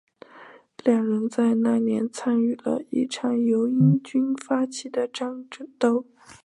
两人在那年参与了一场由英军发起的战斗。